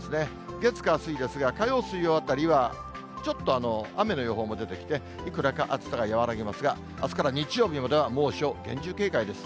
月、火、水ですが、火曜、水曜あたりはちょっと雨の予報も出てきて、いくらか暑さが和らぎますが、あすから日曜日までは猛暑、厳重警戒です。